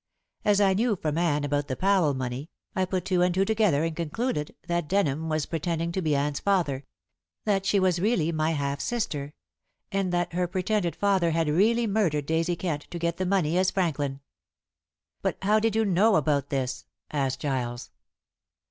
As I knew from Anne about the Powell money, I put two and two together and concluded that Denham was pretending to be Anne's father; that she was really my half sister; and that her pretended father had really murdered Daisy Kent to get the money as Franklin." "But how did you know about this?" asked Giles.